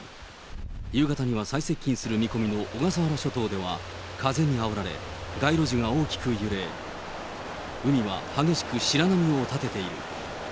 夕方には最接近する見込みの小笠原諸島では、風にあおられ、街路樹が大きく揺れ、海は激しく白波を立てている。